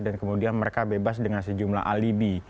dan kemudian mereka bebas dengan sejumlah alibi